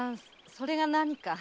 それが何か。